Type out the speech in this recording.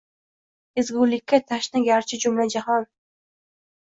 Ezgulikka tashna garchi jumla jahon